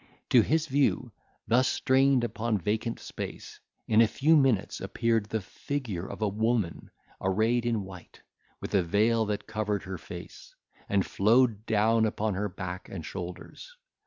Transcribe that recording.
To his view, thus strained upon vacant space, in a few minutes appeared the figure of a woman arrayed in white, with a veil that covered her face, and flowed down upon her back and shoulders.